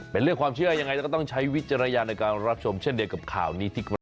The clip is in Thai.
เป็นเรื่องความเชื่อยังไงแล้วก็ต้องใช้วิจารณญาณในการรับชมเช่นเดียวกับข่าวนี้ที่ครับ